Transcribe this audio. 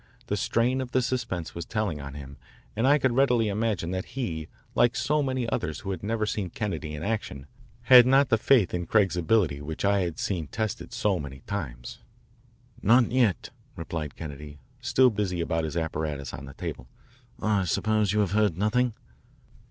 The strain of the suspense was telling on him and I could readily imagine that he, like so many others who had never seen Kennedy in action, had not the faith in Craig's ability which I had seen tested so many times. "Not yet," replied Kennedy, still busy about his apparatus on the table. "I suppose you have heard nothing?"